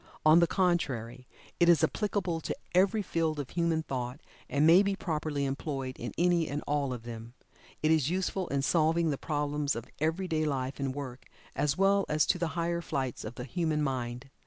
On the contrary it is applicable to every field of human thought, and may be properly employed in any and all of them. It is useful in solving the problems of every day life and work, as well as to the higher flights of the human mind.